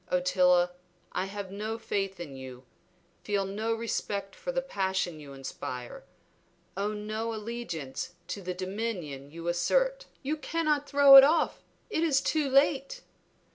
Ottila, I have no faith in you, feel no respect for the passion you inspire, own no allegiance to the dominion you assert." "You cannot throw it off; it is too late."